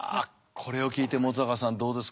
これを聞いて本さんどうですか？